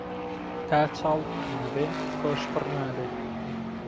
تا چاڵ پڕ نەبێ کۆش پڕ نابێ